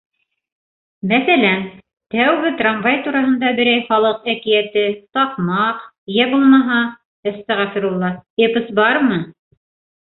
Мәҫәлән, тәүге трамвай тураһында берәй халыҡ әкиәте, таҡмаҡ, йә булмаһа, әстәғәфирулла, эпос бармы?